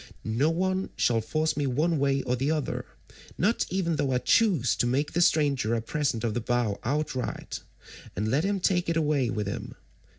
No one shall force me one way or the other, not even though I choose to make the stranger a present of the bow outright, and let him take it away with him.